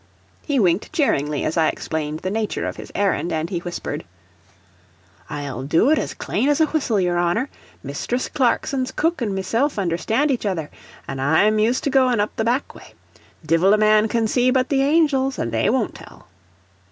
He winked cheeringly as I explained the nature of his errand, and he whispered: "I'll do it as clane as a whistle, yer honor. Mistress Clarkson's cook an' mesilf understhand each other, an' I'm used to goin' up the back way. Dhivil a man can see but the angels, an' they won't tell."